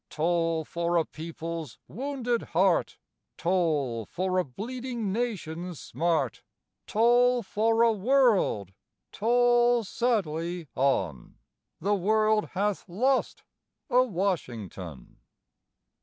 Toll for a people's wounded heart, Toll for a bleeding Nation's smart, Toll for a World! toll sadly on The world hath lost a Washington.